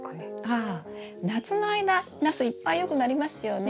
ああ夏の間ナスいっぱいよくなりますよね。